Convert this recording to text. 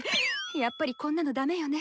やっぱりこんなのダメよね。